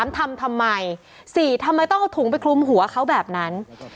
ทำทำไม๔ทำไมต้องเอาถุงไปคลุมหัวเขาแบบนั้น